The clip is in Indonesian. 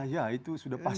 ya itu sudah pasti